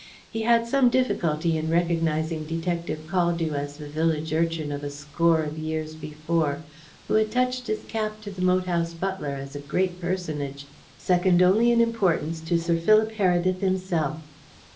He had some difficulty in recognizing Detective Caldew as the village urchin of a score of years before who had touched his cap to the moat house butler as a great personage, second only in importance to Sir Philip Heredith himself.